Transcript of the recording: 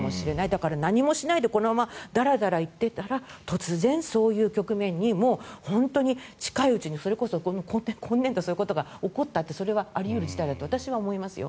だから、何もしないでこのままだらだら行ってたら突然、そういう局面に近いうちにそれこそ今年度そういうことが起こるのもあり得ると私は思いますよ。